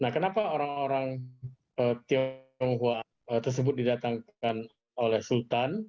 nah kenapa orang orang tionghoa tersebut didatangkan oleh sultan